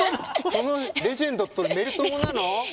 このレジェンドとメル友なの？